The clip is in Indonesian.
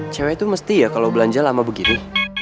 cewet tuh mesti ya kalo belanja lama begini